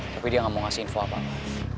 tapi dia nggak mau ngasih info apa enggak